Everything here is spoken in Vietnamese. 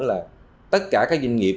là tất cả các doanh nghiệp